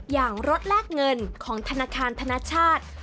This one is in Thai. อย่างรถแลกเงินของธนาคารธนชาติ